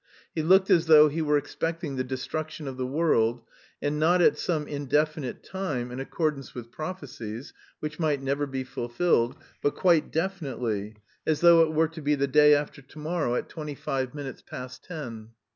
He looked as though he were expecting the destruction of the world, and not at some indefinite time in accordance with prophecies, which might never be fulfilled, but quite definitely, as though it were to be the day after to morrow at twenty five minutes past ten.